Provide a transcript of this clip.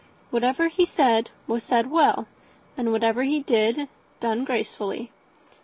Whatever he said, was said well; and whatever he did, done gracefully.